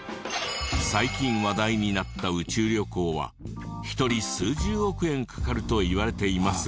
最近話題になった宇宙旅行は１人数十億円かかるといわれていますが。